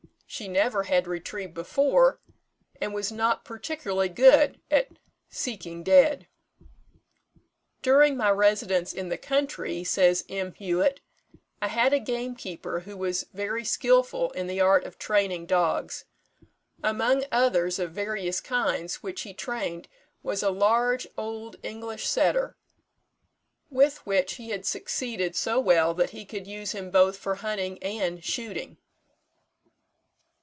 She never had retrieved before, and was not particularly good at "seeking dead." "During my residence in the country," says M. Huet, "I had a gamekeeper who was very skilful in the art of training dogs. Among others of various kinds which he trained was a large old English setter, with which he had succeeded so well that he could use him both for hunting and shooting.